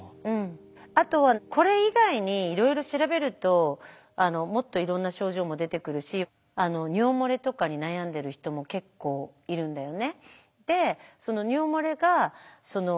あとはこれ以外にいろいろ調べるともっといろんな症状も出てくるし尿漏れとかに悩んでる人も結構いるんだよね。